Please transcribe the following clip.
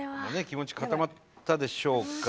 気持ち固まったでしょうか？